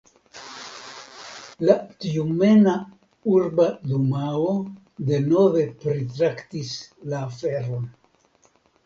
La la Tjumena Urba Dumao denove pritraktis la aferon.